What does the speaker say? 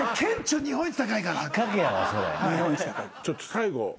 ちょっと最後。